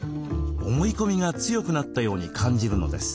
思い込みが強くなったように感じるのです。